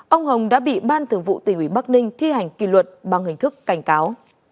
ông hồng đã bị ban thường vụ tỉnh ủy bắc ninh thi hành kỳ luật bằng hình thức cảnh cáo